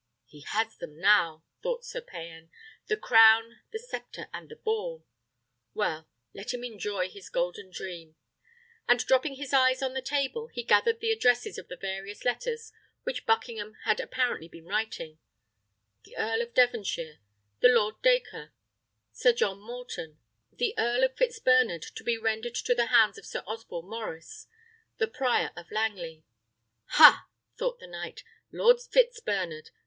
"He has them now," thought Sir Payan, "the crown, the sceptre, and the ball. Well, let him enjoy his golden dream;" and dropping his eyes on the table, he gathered the addresses of the various letters which Buckingham had apparently been writing: "The Earl of Devonshire" "The Lord Dacre" "Sir John Morton" "The Earl of Fitzbernard, to be rendered to the hands of Sir Osborne Maurice" "The Prior of Langley." "Ha!" thought the knight, "Lord Fitzbernard!